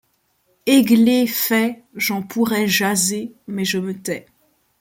Églé fait -j'en pourrais jaser, mais je me tais -